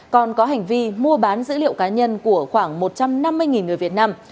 còn có hành vi mua bán dữ liệu cá nhân của khoảng một trăm năm mươi người việt nam